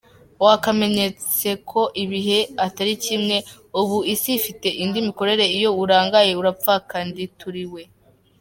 Wakamenyeseko ibihe atarikimwe ubu isi ifite indimikorere iyo urangaye uraphakandinturirirwe.